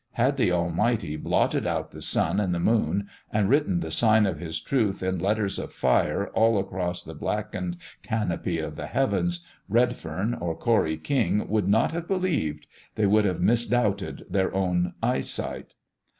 Had the Almighty blotted out the sun and the moon and written the sign of His Truth in letters of fire all across the blackened canopy of the heavens, Redfern or Corry King would not have believed they would have misdoubted their own eyesight.